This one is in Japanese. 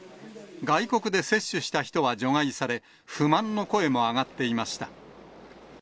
外国で接種した人は除外され、不満の声も上がっていました。